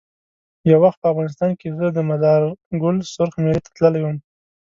یو وخت په افغانستان کې زه د مزار ګل سرخ میلې ته تللی وم.